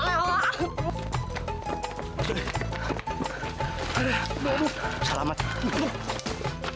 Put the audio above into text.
kabur nih kabur nih